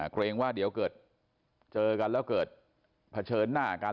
เกรงว่าเดี๋ยวเกิดเจอกันแล้วเกิดเผชิญหน้ากัน